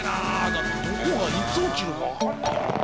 だってどこがいつ起きるかわかんない。